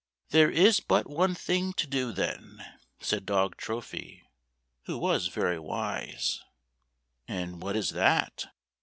" There is but one thing to do then," said dog Trophy, who was very wise. "And what is that?"